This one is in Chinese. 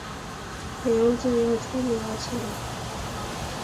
李鏊自幼聪明而勤学。